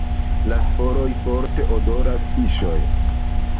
La sporoj forte odoras fiŝon.